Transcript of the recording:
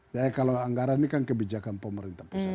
jadi kalau anggaran ini kan kebijakan pemerintah puslin